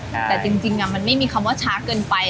แต่จริงมันไม่มีคำว่าช้าเกินไป